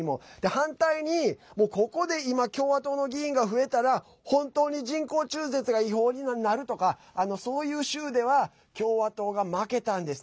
反対に、ここで今共和党の議員が増えたら本当に人工中絶が違法になるとかそういう州では共和党が負けたんです。